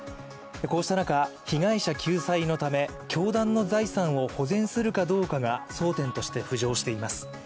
こうした中、被害者救済のため教団の財産を保全するかどうかが争点として浮上しています。